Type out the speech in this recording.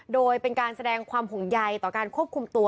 โดยเป็นการแสดงความห่วงใยต่อการควบคุมตัว